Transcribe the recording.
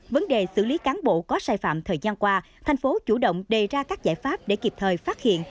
vấn đề xử lý cán bộ có sai phạm thời gian qua thành phố chủ động đề ra các giải pháp để kịp thời phát hiện